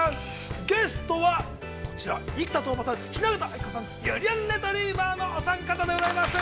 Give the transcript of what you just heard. ゲストは、こちら生田斗真さん、雛形あきこさん、ゆりやんレトリィバァのお三方でございます。